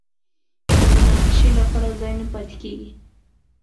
د مناقشې لپاره ځای نه پاتې کېږي